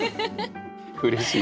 うれしい。